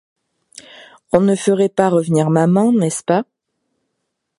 On ne ferait pas revenir maman, n'est-ce pas ?